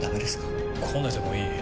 こねてもいい。